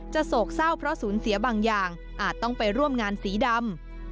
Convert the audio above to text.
โศกเศร้าเพราะสูญเสียบางอย่างอาจต้องไปร่วมงานสีดำ